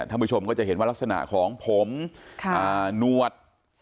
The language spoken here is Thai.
ผู้ชมก็จะเห็นว่ารักษณะของผมนวด